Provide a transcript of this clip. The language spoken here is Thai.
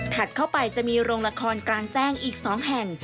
เข้าไปจะมีโรงละครกลางแจ้งอีก๒แห่ง